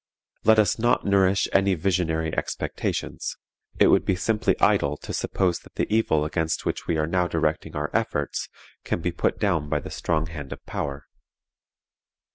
Let us not nourish any visionary expectations; it would be simply idle to suppose that the evil against which we are now directing our efforts, can be put down by the strong hand of power.